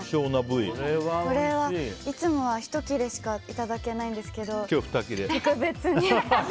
いつもはひと切れしかいただけないんですけど特別に。